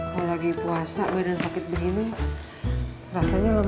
kalau lagi puasa badan sakit begini rasanya lemes dah